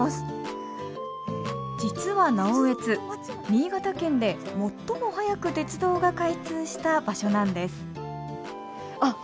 実は直江津新潟県で最も早く鉄道が開通した場所なんですあっ